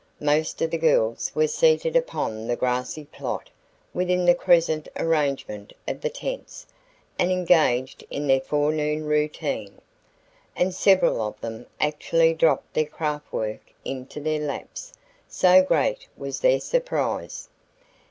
Most of the girls were seated upon the grassy plot within the crescent arrangement of the tents and engaged in their forenoon routine, and several of them actually dropped their craft work into their laps so great was their surprise.